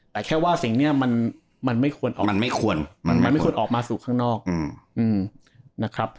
แต่แค่ว่าสิ่งนี้มันไม่ควรออกมาสู่ข้างนอก